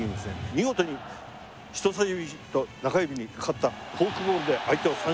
見事に人さし指と中指にかかったフォークボールで相手を三振に打ち取ると。